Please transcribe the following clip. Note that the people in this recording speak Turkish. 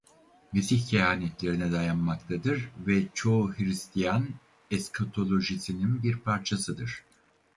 Mesih kehanetlerine dayanmaktadır ve çoğu Hristiyan eskatolojisinin bir parçasıdır.